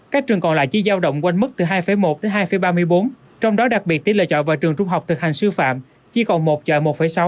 các trường còn lại chỉ giao động quanh mức từ hai một đến hai ba mươi bốn trong đó đặc biệt tỷ lệ trọi vào trường trung học thực hành sư phạm chỉ còn một chợ một sáu